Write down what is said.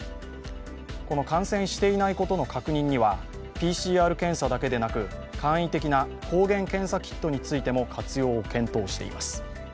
この感染していないことの確認にはＰＣＲ検査だけでなく簡易的な抗原検査キットについても活用を検討しています。